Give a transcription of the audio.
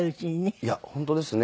いや本当ですね。